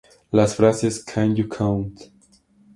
Las frases "can you count?